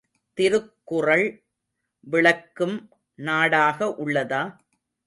திருக்குறள் விளக்கும் நாடாக உள்ளதா?